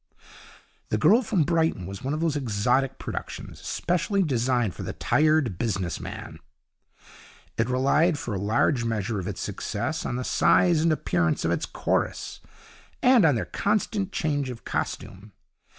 'The Girl From Brighton' was one of those exotic productions specially designed for the Tired Business Man. It relied for a large measure of its success on the size and appearance of its chorus, and on their constant change of costume.